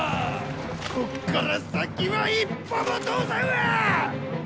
こっから先は一歩も通さんわ！